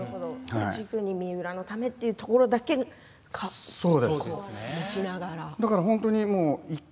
三浦のためというところ心に持ちながら。